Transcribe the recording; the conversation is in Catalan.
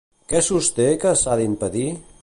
Què sosté que s'ha d'impedir?